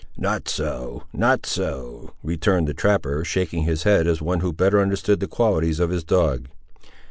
"Not so—not so," returned the trapper, shaking his head as one who better understood the qualities of his dog.